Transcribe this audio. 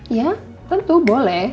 iya tentu boleh